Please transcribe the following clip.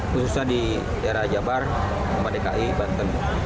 khususnya di era jabar empat dki banten